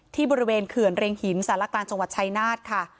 ที่บริเวณเขื่อนเร็งหินสารกลางจังหวัดชายนาฏค่ะ